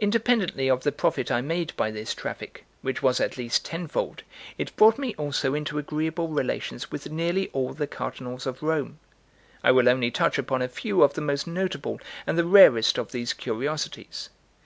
Independently of the profit I made by this traffic, which was at least tenfold, it brought me also into agreeable relations with nearly all the cardinals of Rome. I will only touch upon a few of the most notable and the rarest of these curiosities.